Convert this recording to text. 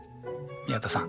宮田さん